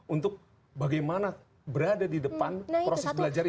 untuk bagaimana berada di depan proses belajar itu